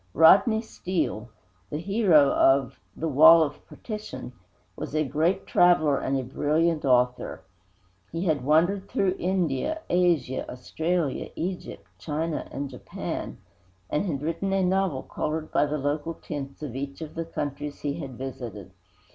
Rodney Steele the hero of The Wall of Partition was a great traveler and a brilliant author. He had wandered through India, Africa, Australia, Egypt, China and Japan, and had written a novel colored with the local tints of each of the countries he had visited.